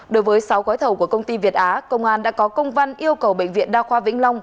đối với sáu gói thầu của công ty việt á công an đã có công văn yêu cầu bệnh viện đa khoa vĩnh long